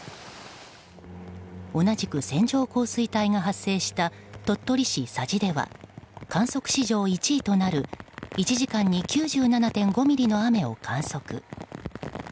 同じく線状降水帯が発生した鳥取市佐治では観測史上１位となる１時間に９７．５ミリの雨を観測。